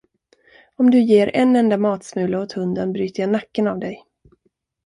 Om du ger en enda matsmula åt hunden bryter jag nacken av dig.